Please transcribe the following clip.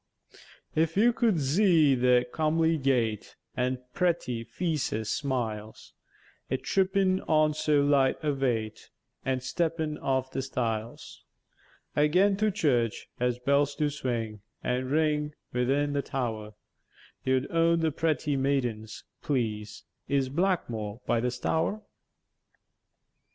If you could zee their comely gait, An' pretty feäces' smiles, A trippèn on so light o' waïght, An' steppèn off the stiles; A gwaïn to church, as bells do swing An' ring 'ithin the tow'r, You'd own the pretty maïdens' pleäce Is Blackmwore by the Stour?